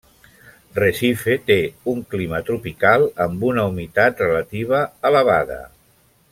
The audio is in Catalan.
Recife té un clima tropical amb una humitat relativa elevada.